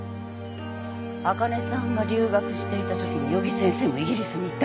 あかねさんが留学していたときに余木先生もイギリスにいた。